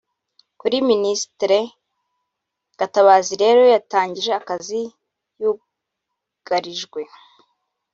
Kuri Ministre Gatabazi rero yatangiye akazi yugarijwe